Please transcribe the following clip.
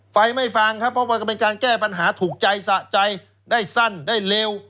ไฟไม่ฟางครับเพราะมันก็เป็นการแก้ปัญหาถูกใจสะใจได้สั้นได้เร็ว